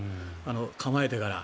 構えてから。